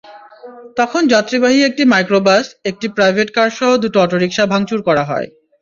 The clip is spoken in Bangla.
তখন যাত্রীবাহী একটি মাইক্রোবাস, একটি প্রাইভেট কারসহ দুটো অটোরিকশা ভাঙচুর করা হয়।